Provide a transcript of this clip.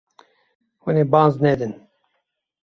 Hûn ê baz nedin.